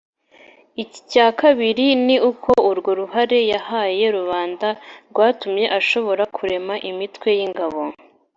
icya kabiri ni uko urwo ruhare yahaye rubanda rwatumye ashobora kurema imitwe y'ingabo